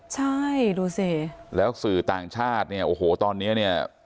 ใช่ดูสิแล้วสื่อต่างชาติเนี่ยโอ้โหตอนนี้เนี่ย